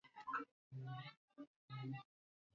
Mbali na matangazo ya moja kwa moja tuna